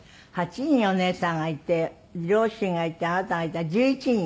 ８人お姉さんがいて両親がいてあなたがいたら１１人？